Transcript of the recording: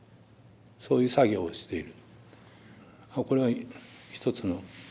そういう作業をしている。